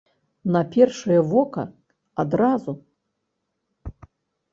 На першае вока, адразу?